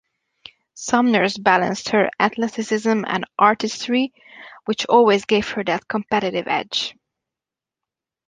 Sumners balanced her athleticism and artistry which always gave her that competitive edge.